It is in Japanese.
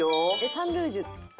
サンルージュ。